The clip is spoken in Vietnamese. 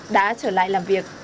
đã trở lại làm việc